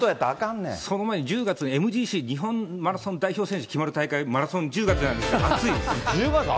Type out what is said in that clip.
その前に１０月に、、日本マラソン代表選手が決まる大会、マラソン１０月なのに暑いと。